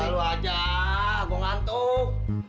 udah lu aja gue ngantuk